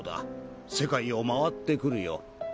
世界を回ってくるよ。